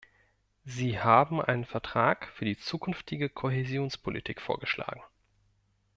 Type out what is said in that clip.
Sie haben einen Vertrag für die zukünftige Kohäsionspolitik vorgeschlagen.